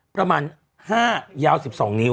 ประมาณ๕ยาว๑๒นิ้ว